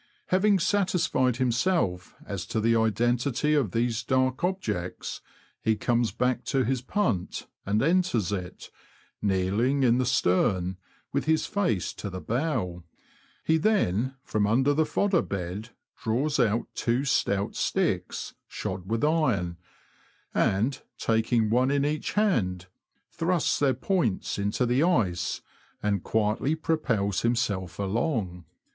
Having satisfied himself as to the identity of these dark objects, he comes back to his punt, and enters it, kneeling in the stern, with his face to the bow ; he then, from under the fodder bed, draws out two stout sticks, shod with iron, and, taking one in each hand, thrusts their points into the ice, and quietly propels himself along.